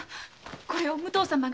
これを武藤様が。